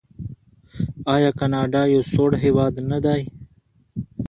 آیا کاناډا یو سوړ هیواد نه دی؟